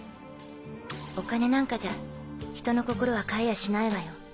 お金なんかじゃ人の心は買えやしないわよ。